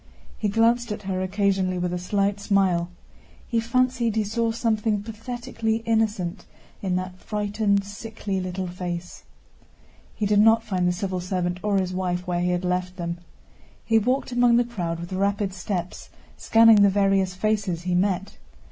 He glanced at her occasionally with a slight smile. He fancied he saw something pathetically innocent in that frightened, sickly little face. He did not find the civil servant or his wife where he had left them. He walked among the crowd with rapid steps, scanning the various faces he met.